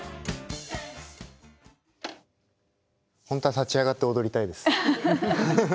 本当は立ち上がって踊りたいです。